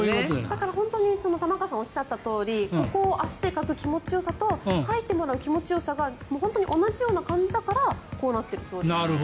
だから玉川さんがおっしゃったとおりここを足でかく気持ちよさとかいてもらう気持ちよさが本当に同じような感じだからこうなっているそうです。